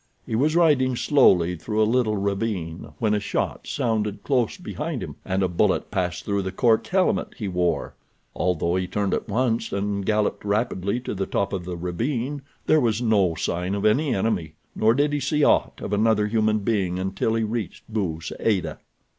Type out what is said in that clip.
He was riding slowly through a little ravine when a shot sounded close behind him, and a bullet passed through the cork helmet he wore. Although he turned at once and galloped rapidly to the top of the ravine, there was no sign of any enemy, nor did he see aught of another human being until he reached Bou Saada.